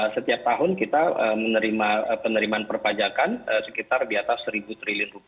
setiap tahun kita menerima penerimaan perpajakan sekitar di atas rp satu triliun